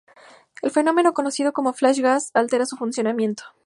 El fenómeno conocido como "flash-gas" altera su funcionamiento.